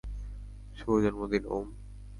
শুভ জন্মদিন, ওম।